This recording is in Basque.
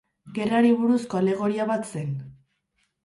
Gerrari buruzko alegoria bat zen.